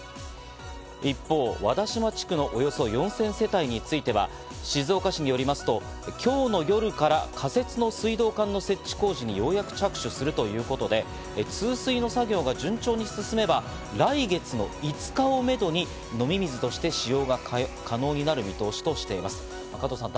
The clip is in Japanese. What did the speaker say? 一方、和田島地区のおよそ４０００世帯については、静岡市によりますと、今日の夜から仮設の水道管の設置工事にようやく着手するということで、通水の作業が順調に進めば来月の５日をめどに飲み水として使用が可能になる見通しとしています、加藤さん。